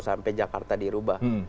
sampai jakarta dirubah